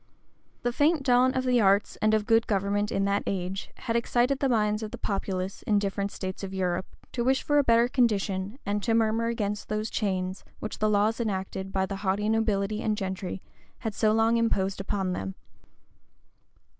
{1381.} The faint dawn of the arts and of good government in that age, had excited the minds of the populace, in different states of Europe, to wish for a better condition, and to murmur against those chains which the laws enacted by the haughty nobility and gentry, had so long imposed upon them.